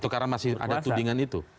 karena masih ada tudingan itu